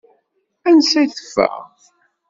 Ansa i teffeɣ?